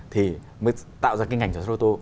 thì mới tạo ra cái ngành sản xuất ô tô